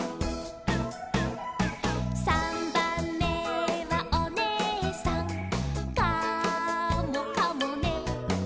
「さんばんめはおねえさん」「カモかもね」